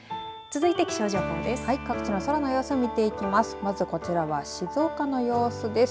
続いて気象情報です。